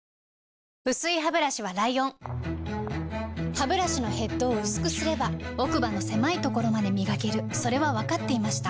薄いハブラシはライオンハブラシのヘッドを薄くすれば奥歯の狭いところまで磨けるそれは分かっていました